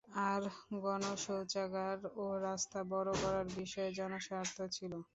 আর গণশৌচাগার ও রাস্তা বড় করার বিষয়ে জনস্বার্থ ছিল।